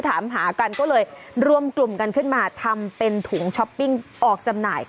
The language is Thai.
ถามหากันก็เลยรวมกลุ่มกันขึ้นมาทำเป็นถุงช้อปปิ้งออกจำหน่าย